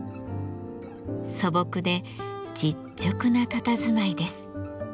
素朴で実直なたたずまいです。